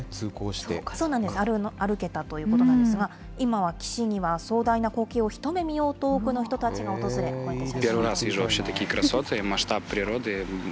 そうなんです、歩けたということなんですが、今は岸には壮大な光景を一目見ようと、多くの人たちが訪れ、写真を撮っていました。